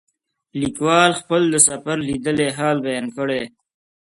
لیکوال خپل د سفر لیدلی حال بیان کړی.